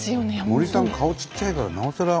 森さん顔ちっちゃいからなおさら。